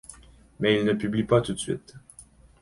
Mais il ne publie pas tout de suite.